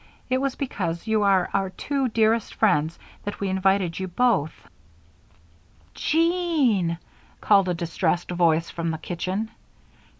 It was because you are our two very dearest friends that we invited you both " "Je e e e an!" called a distressed voice from the kitchen.